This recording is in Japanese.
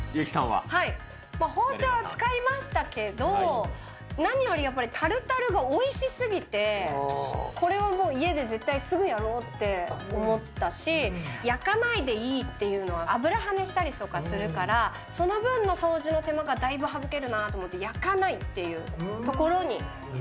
包丁は使いましたけど、何よりやっぱりタルタルがおいしすぎて、これはもう家で絶対すぐやろうって思ったし、焼かないでいいっていうのは油はねしたりとかするから、その分の掃除の手間がだいぶ省けるなと思って、焼かないっていうところに。